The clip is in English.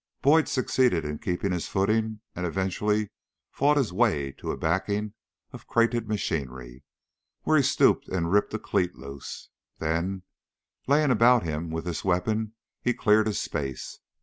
Boyd succeeded in keeping his footing and eventually fought his way to a backing of crated machinery, where he stooped and ripped a cleat loose; then, laying about him with this weapon, he cleared a space.